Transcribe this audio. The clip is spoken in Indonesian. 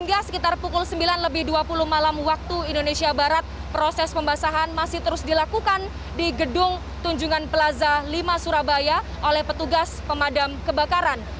hingga sekitar pukul sembilan lebih dua puluh malam waktu indonesia barat proses pembasahan masih terus dilakukan di gedung tunjungan plaza lima surabaya oleh petugas pemadam kebakaran